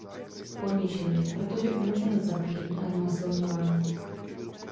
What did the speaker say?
Ponížil je, protože umožnil zabíjení a znásilňování.